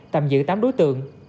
tạm giữ tám đối tượng